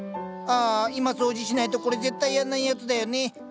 あ今掃除しないとこれ絶対やんないやつだよね。